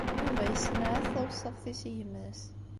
Yuba yessenɛat taweṣṣaft-is i gma-s.